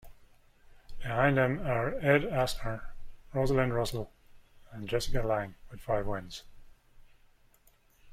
Behind them are Ed Asner, Rosalind Russell and Jessica Lange with five wins.